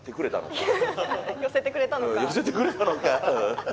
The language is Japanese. うん寄せてくれたのか。